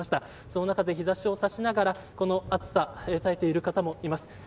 その中で、日傘をさしながらこの暑さに耐えている方もいます。